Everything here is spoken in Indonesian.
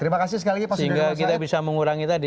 terima kasih sekali lagi pak sehingga kita bisa mengurangi tadi